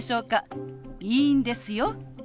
いいんですよ。